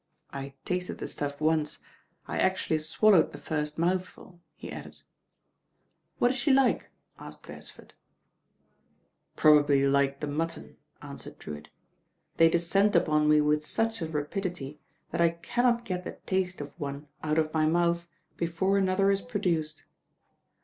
I tasted the stuff once, I actually swallowed the first mouth ful," he added. "What is she like?" asked Beresford. LORD DREWirrS PERPLEXITIES 98 ^^ "Probably like the mutton," answered Drewitt; "they descend upon me with such rapidity that I cannot get the taste of one out of my m. uth before another is produced.